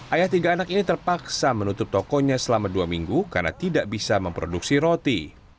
ayah tiga anak ini terpaksa menutup tokonya selama dua minggu karena tidak bisa memproduksi roti